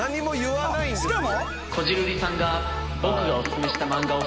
「しかも？」